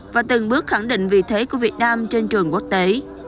và từng bước khẳng định vị thế của việt nam trên trường quốc tế